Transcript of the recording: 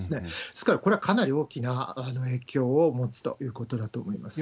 ですからこれはかなり大きな影響を持つということだと思います。